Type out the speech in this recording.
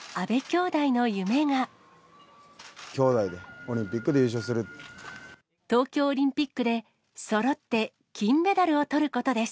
兄妹でオリンピックで優勝す東京オリンピックで、そろって金メダルをとることです。